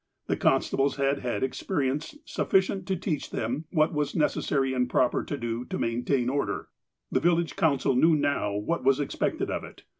The constables had had experience sufficient to teach them what was necessary and proper to do to main tain order. The village council knew now what was ex pected of it.